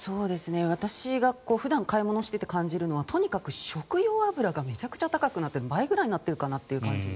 私が買い物をしていて思うのはとにかく食用油がめちゃくちゃ高くなって倍ぐらいになっている感じがします。